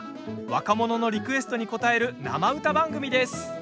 若者のリクエストに応える生歌番組です。